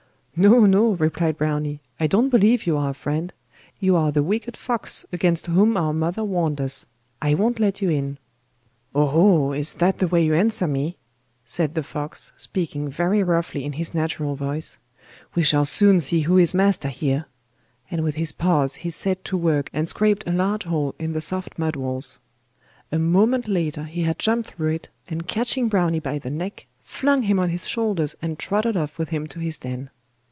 'No, no,' replied Browny, 'I don't believe you are a friend. You are the wicked fox, against whom our mother warned us. I won't let you in.' 'Oho! is that the way you answer me?' said the fox, speaking very roughly in his natural voice. 'We shall soon see who is master here,' and with his paws he set to work and scraped a large hole in the soft mud walls. A moment later he had jumped through it, and catching Browny by the neck, flung him on his shoulders and trotted off with him to his den.